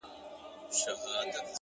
د لوط د قوم د سچيدو به درته څه ووايم!